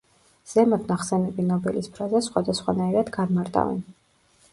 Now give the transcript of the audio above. ზემოთ ნახსენები ნობელის ფრაზას სხვადასხვანაირად განმარტავენ.